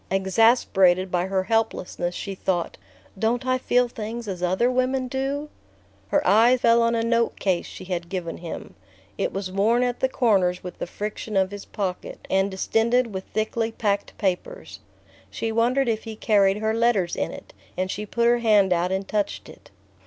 Exasperated by her helplessness, she thought: "Don't I feel things as other women do?" Her eye fell on a note case she had given him. It was worn at the corners with the friction of his pocket and distended with thickly packed papers. She wondered if he carried her letters in it, and she put her hand out and touched it.